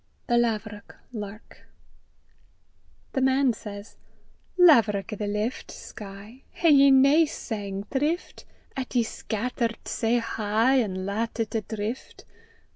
THE LAVEROCK. (lark) THE MAN SAYS: Laverock i' the lift, (sky) Hae ye nae sang thrift, 'At ye scatter 't sae heigh, an' lat it a' drift?